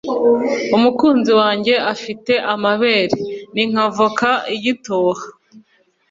umukunzi wanjye afite amabere ni nka voka igitoha